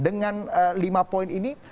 dengan lima poin ini